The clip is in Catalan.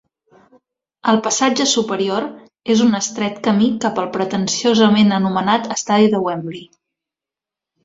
El passatge superior és un estret camí cap al pretensiosament anomenat Estadi de Wembley.